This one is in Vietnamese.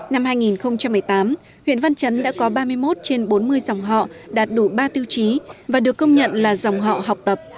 năm hai nghìn một mươi tám huyện văn chấn đã có ba mươi một trên bốn mươi dòng họ đạt đủ ba tiêu chí và được công nhận là dòng họ học tập